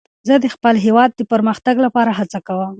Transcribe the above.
زه د خپل هېواد د پرمختګ لپاره هڅه کوم.